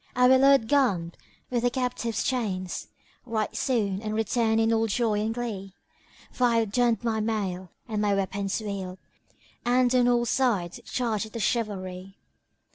I will load Gharib with the captive's chains * Right soon, and return in all joy and glee; For I've donned my mail and my weapons wield * And on all sides charge at the chivalry."